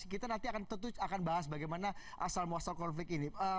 kita nanti akan tentu akan bahas bagaimana asal muasal konflik ini